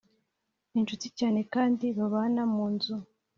incuti cyane kandi babana munzu